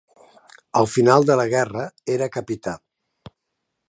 Al final de la guerra era capità.